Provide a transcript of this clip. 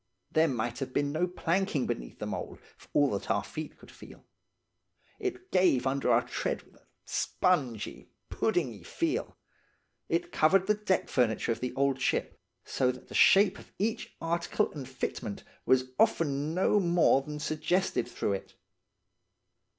There might have been no planking beneath the mould, for all that our feet could feel. It gave under our tread with a spongy, puddingy feel. It covered the deck furniture of the old ship, so that the shape of each article and fitment was often no more than suggested through it.